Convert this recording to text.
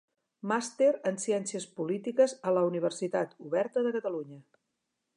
Màster en Ciències Polítiques a la Universitat Oberta de Catalunya.